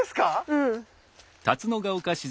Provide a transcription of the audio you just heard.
うん。